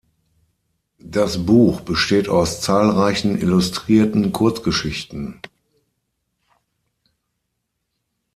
Das Buch besteht aus zahlreichen illustrierten Kurzgeschichten.